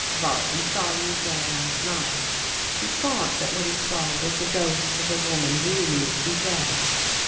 "" Barton saw you there last night. He thought that what he saw was the ghost of a woman we knew to be dead.